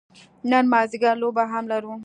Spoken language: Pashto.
نن مازدیګر لوبه هم لرو.